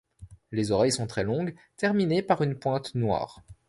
Les oreilles sont très longues, terminées par une pointe noire.